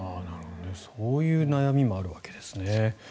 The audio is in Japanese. そういう悩みもあるわけですね。